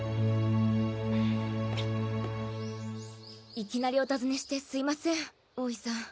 いきなりお訪ねしてすいません大井さん。